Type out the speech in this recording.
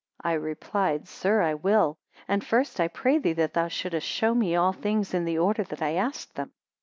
I replied, Sir, I will: and first I pray thee that thou shouldest show me all things in the order that I asked them.